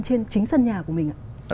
trên chính sân nhà của mình